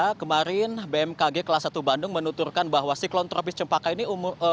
karena kemarin bmkg kelas satu bandung menuturkan bahwa siklon tropis cempaka ini